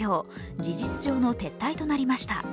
事実上の撤退となりました。